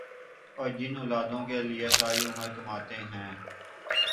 اور جن اولادوں کے لیئے ساری عمر کماتے ہیں